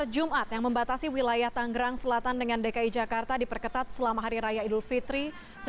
jalan asia afrika